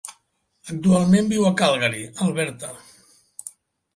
Actualment viu a Calgary, Alberta.